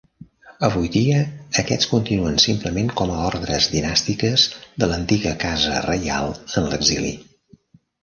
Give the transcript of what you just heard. Avui dia aquests continuen simplement com a ordres dinàstiques de l'antiga casa reial en l'exili.